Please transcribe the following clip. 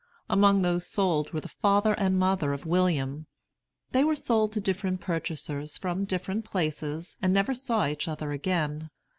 Among those sold were the father and mother of William. They were sold to different purchasers from different places, and never saw each other again.